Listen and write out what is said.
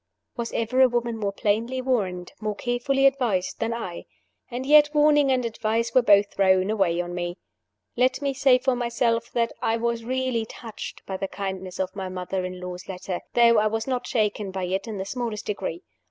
Was ever a woman more plainly warned, more carefully advised, than I? And yet warning and advice were both thrown away on me. Let me say for myself that I was really touched by the kindness of my mother in law's letter, though I was not shaken by it in the smallest degree.